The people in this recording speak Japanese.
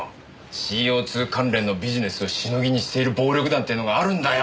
ＣＯ２関連のビジネスをしのぎにしている暴力団ってのがあるんだよ！